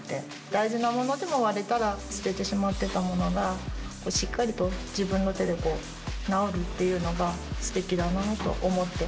大事なものでも、割れたら捨ててしまってたものが、しっかりと自分の手で直るっていうのが、すてきだなと思って。